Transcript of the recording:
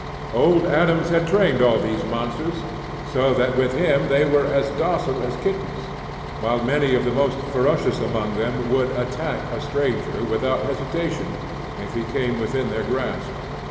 Old Adams had trained all these monsters so that with him they were as docile as kittens, while many of the most ferocious among them would attack a stranger without hesitation, if he came within their grasp.